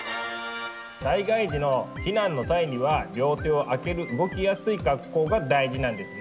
災害時の避難の際には両手を空ける動きやすい格好が大事なんですね。